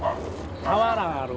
俵がある。